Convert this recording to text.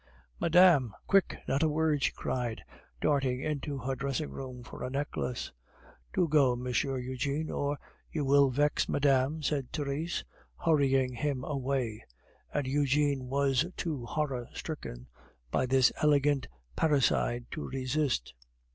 "Madame " "Quick! not a word!" she cried, darting into her dressing room for a necklace. "Do go, Monsieur Eugene, or you will vex madame," said Therese, hurrying him away; and Eugene was too horror stricken by this elegant parricide to resist.